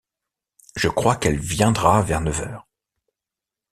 Je crois qu'elle viendra vers neuf heures.